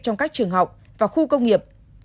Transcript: trong các trường học và khu công nghiệp